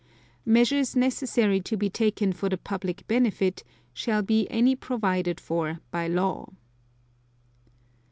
(2) Measures necessary to be taken for the public benefit shall be any provided for by law.